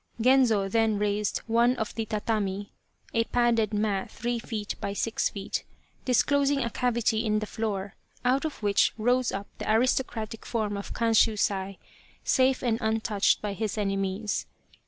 Genzo then raised one of the tatami (a padded mat three feet by six feet), disclosing a cavity in the floor, out of which rose up the aristo cratic form of Kanshusai, safe and untouched by his enemies.